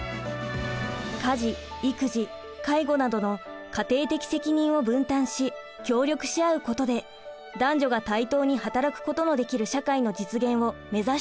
家事育児介護などの家庭的責任を分担し協力し合うことで男女が対等に働くことのできる社会の実現を目指したのです。